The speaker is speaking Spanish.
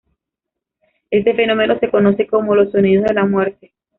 Este fenómeno se conoce como "los sonidos de la muerte".